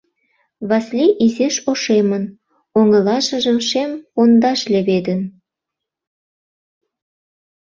Васлий изиш ошемын, оҥылашыжым шем пондаш леведын.